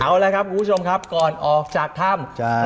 เอาละครับคุณผู้ชมครับก่อนออกจากถ้ำ